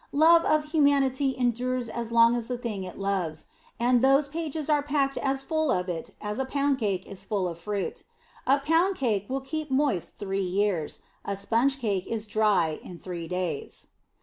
Love of humanity endures as long as the thing it loves, and those pages are packed as full of it as a pound cake is full of fruit. A pound cake will keep moist three years; a sponge cake is dry in three days.